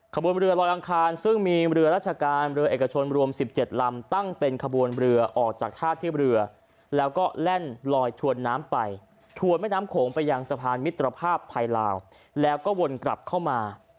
ขบวนเรือลอยอังคารซึ่งมีเรือราชการเรือเอกชนรวม๑๗ลำตั้งเป็นขบวนเรือออกจากท่าเทียบเรือแล้วก็แล่นลอยถวนน้ำไปถวนแม่น้ำโขงไปยังสะพานมิตรภาพไทยลาวแล้วก็วนกลับเข้ามา